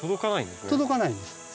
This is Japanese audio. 届かないんですね。